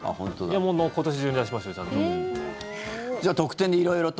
今年中に出しますよちゃんと。